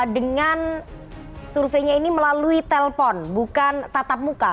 dengan surveinya ini melalui telpon bukan tatap muka